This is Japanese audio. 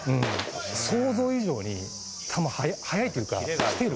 想像以上に球、速いというか、来てる。